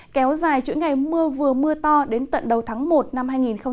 kéo dài chuỗi ngày mưa vừa mưa to đến tận đầu tháng một năm hai nghìn một mươi chín